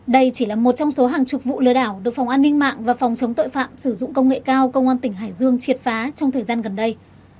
đây chỉ là một trong số hàng chục vụ lừa đảo được phòng an ninh mạng và phòng chống tội phạm sử dụng công nghệ cao công an tỉnh hải dương triệt phá trong thời gian gần đây